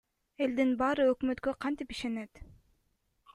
Элдин баары өкмөткө кантип ишенет?